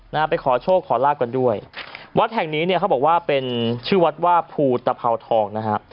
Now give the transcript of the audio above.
นะฮะไปขอโชคขอลาบกันด้วยวัดแห่งนี้เนี่ยเขาบอกว่าเป็นชื่อวัดว่าภูตภาวทองนะฮะ